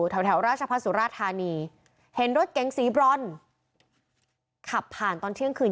แถวแถวราชพัฒนสุราธานีเห็นรถเก๋งสีบรอนขับผ่านตอนเที่ยงคืน